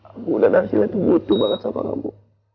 aku dan arsyila itu butuh banget sama kamu